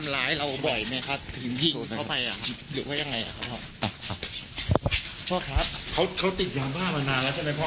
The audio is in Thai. ลองฟังให้ดี